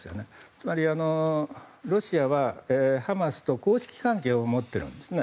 つまり、ロシアはハマスと公式関係を持っているんですね。